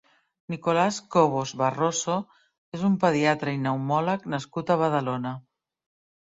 Nicolás Cobos Barroso és un pediatre i pneumòleg nascut a Badalona.